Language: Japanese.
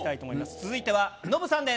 続いてはノブさんです。